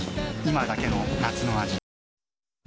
今だけの夏の味